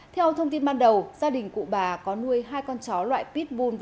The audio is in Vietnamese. theo thông tin ban đầu gia đình cụ bà có nuôi hai con chó loại pitbul